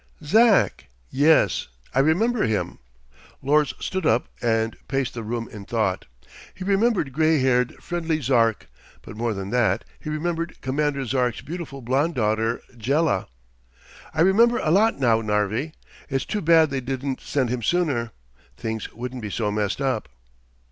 "Zark. Yes. I remember him." Lors stood up and paced the room in thought. He remembered grey haired, friendly Zark, but more than that, he remembered Commander Zark's beautiful, blond daughter, Jela. "I remember a lot now, Narvi. It's too bad they didn't send him sooner. Things wouldn't be so messed up."